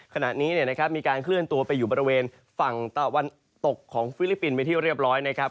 ขณะนี้มีการเคลื่อนตัวไปอยู่บริเวณฝั่งตะวันตกของฟิลิปปินส์ไปที่เรียบร้อยนะครับ